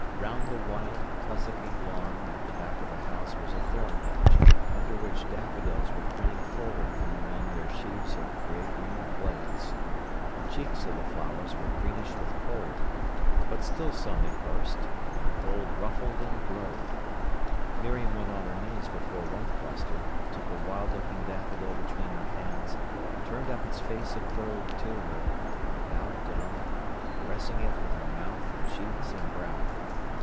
Round the wild, tussocky lawn at the back of the house was a thorn hedge, under which daffodils were craning forward from among their sheaves of grey green blades. The cheeks of the flowers were greenish with cold. But still some had burst, and their gold ruffled and glowed. Miriam went on her knees before one cluster, took a wild looking daffodil between her hands, turned up its face of gold to her, and bowed down, caressing it with her mouth and cheeks and brow.